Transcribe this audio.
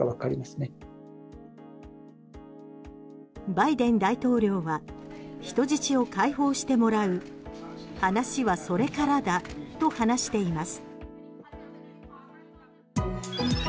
バイデン大統領は人質を解放してもらう話はそれからだと話しています。